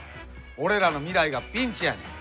俺らの未来がピンチやねん。